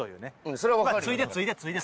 それは分かる。